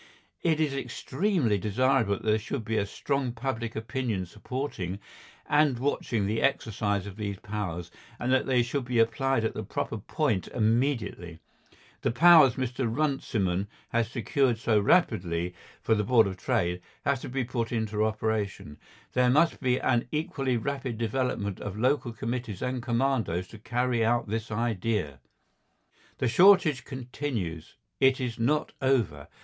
It is extremely desirable that there should be a strong public opinion supporting and watching the exercise of these powers, and that they should be applied at the proper point immediately. The powers Mr. Runciman has secured so rapidly for the Board of Trade have to be put into operation; there must be an equally rapid development of local committees and commandos to carry out his idea. The shortage continues. It is not over.